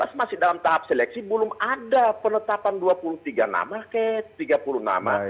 u sembilan belas masih dalam tahap seleksi belum ada penetapan dua puluh tiga nama kayak tiga puluh nama